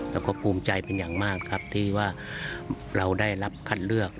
แล้วก็ภูมิใจเป็นอย่างมากครับที่ว่าเราได้รับคัดเลือก